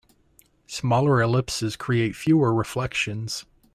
Smaller ellipses create fewer reflections.